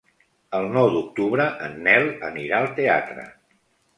El nou d'octubre en Nel anirà al teatre.